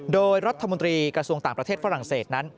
โดยรัฐมนตรีกระทรวงต่างประเทศฝรั่งเศสนั้น